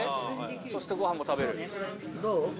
そしてごはんも食べどう？